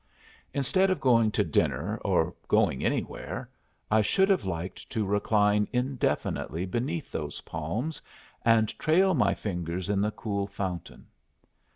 Instead of going to dinner, or going anywhere, I should have liked to recline indefinitely beneath those palms and trail my fingers in the cool fountain.